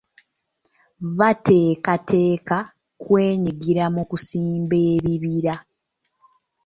Bateekateeka kwenyigira mu kusimba ebibira.